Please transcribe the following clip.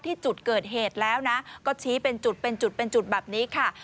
ที่จุดเกิดเหตุแล้วก็ชี้เป็นจุดแบบนี้ค่ะ